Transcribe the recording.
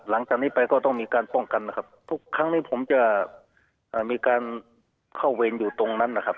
หลังจากนี้ไปก็ต้องมีการป้องกันนะครับทุกครั้งนี้ผมจะมีการเข้าเวรอยู่ตรงนั้นนะครับ